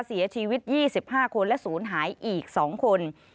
เสียชีวิต๒๕คนและศูนย์หายอีก๒คน